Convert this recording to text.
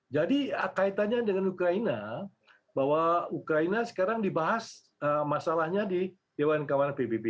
jadi kaitannya dengan ukraina bahwa ukraina sekarang dibahas masalahnya di dewan keamanan pbb